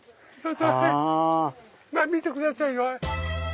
まぁ見てくださいよ。